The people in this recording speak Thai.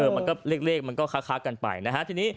มันก็เลขมันก็ค้ากันไปนะฮะทีนี้